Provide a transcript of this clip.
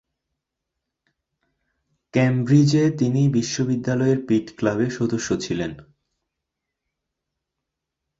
কেমব্রিজে তিনি বিশ্ববিদ্যালয়ের পিট ক্লাবের সদস্য ছিলেন।